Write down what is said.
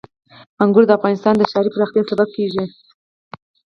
انګور د افغانستان د ښاري پراختیا سبب کېږي.